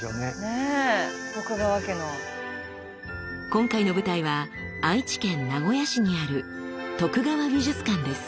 今回の舞台は愛知県名古屋市にある徳川美術館です。